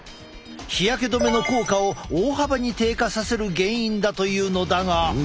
日焼け止めの効果を大幅に低下させる原因だというのだが。